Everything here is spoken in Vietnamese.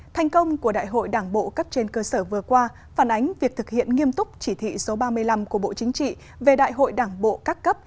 thành công của đại hội đảng bộ cấp trên cơ sở vừa qua phản ánh việc thực hiện nghiêm túc chỉ thị số ba mươi năm của bộ chính trị về đại hội đảng bộ các cấp